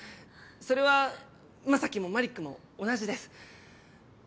それは将希もマリックも同じです。